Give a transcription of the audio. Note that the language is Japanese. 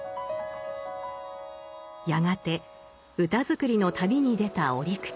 やがて歌作りの旅に出た折口。